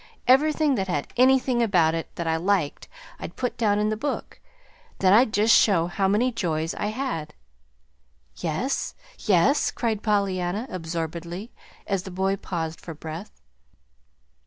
Everythin' that had anythin' about it that I liked I'd put down in the book. Then I'd just show how many 'joys' I had." "Yes, yes!" cried Pollyanna, absorbedly, as the boy paused for breath.